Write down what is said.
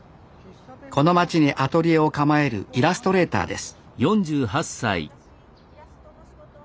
この街にアトリエを構えるイラストレーターです